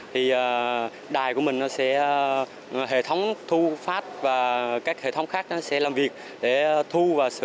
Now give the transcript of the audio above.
thì đài của mình sẽ hệ thống thu phát và các hệ thống khác sẽ làm việc để thu và sử dụng